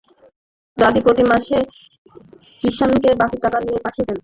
দাদি প্রতি মাসে কিষাণকে বাকি টাকা নিতে পাঠিয়ে দেয়।